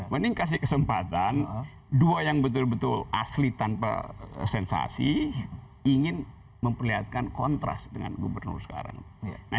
mending kasih kesempatan dua yang betul betul asli tanpa sensasi ingin memperlihatkan kontras dengan gubernur sekarang